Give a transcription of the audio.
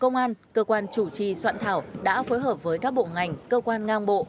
công an cơ quan chủ trì soạn thảo đã phối hợp với các bộ ngành cơ quan ngang bộ